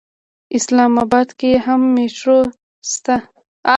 اسلام اباد کې هم میټرو شته.